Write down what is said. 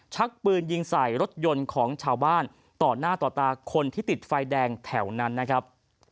ชักปืนยิงใส่รถยนต์ของชาวบ้านต่อหน้าต่อตาคนที่ติดไฟแดงแถวนั้นนะครับ